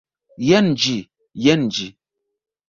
Jen ĝi! jen ĝi!